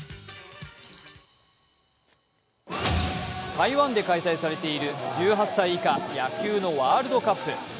台湾で開催されている１８歳以下野球のワールドカップ。